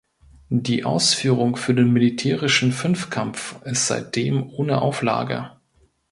Die Ausführung für den militärischen Fünfkampf ist seitdem ohne Auflage.